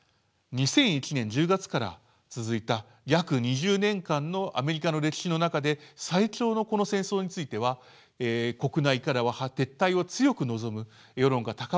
２００１年１０月から続いた約２０年間のアメリカの歴史の中で最長のこの戦争については国内からは撤退を強く望む世論が高まっていました。